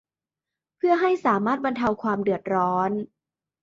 เพื่อให้สามารถบรรเทาความเดือดร้อน